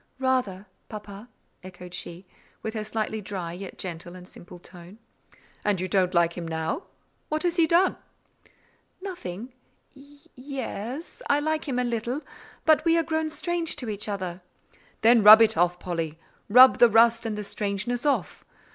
"Rather, papa," echoed she, with her slightly dry, yet gentle and simple tone. "And you don't like him now? What has he done?" "Nothing. Y—e—s, I like him a little; but we are grown strange to each other." "Then rub it off, Polly; rub the rust and the strangeness off.